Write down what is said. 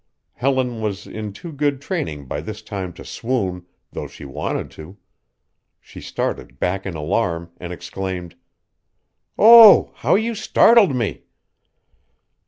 Helen was in too good training by this time to swoon, though she wanted to. She started back in alarm and exclaimed: "Oh, how you startled me!"